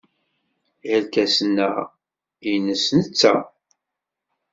Irkasen-a nnes netta.